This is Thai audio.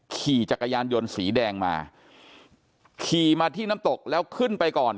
ขี่จักรยานยนต์สีแดงมาขี่มาที่น้ำตกแล้วขึ้นไปก่อน